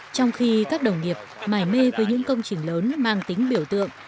trong khi các đồng nghiệp mài mê với những công trình lớn mang tính biểu tượng